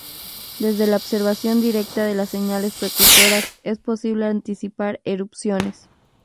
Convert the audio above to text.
Desde la observación directa de las señales precursoras, es posible anticipar erupciones.